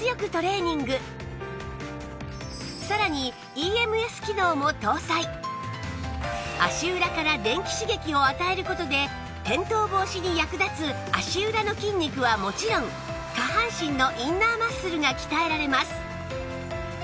さらに足裏から電気刺激を与える事で転倒防止に役立つ足裏の筋肉はもちろん下半身のインナーマッスルが鍛えられます